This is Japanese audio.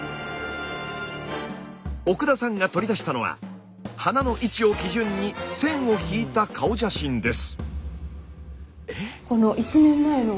奥田さんが取り出したのは鼻の位置を基準に線を引いた顔写真です。